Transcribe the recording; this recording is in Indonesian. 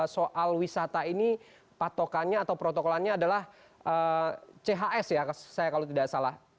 soal wisata ini patokannya atau protokolannya adalah chs ya saya kalau tidak salah